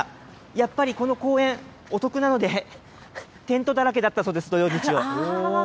やっぱりこの公園、お得なので、テントだらけだったそうです、土曜日曜。